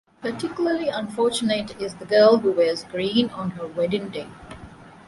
Particularly unfortunate is the girl who wears green on her wedding day.